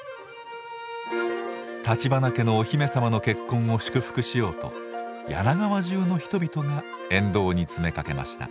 立花家のお姫様の結婚を祝福しようと柳川中の人々が沿道に詰めかけました。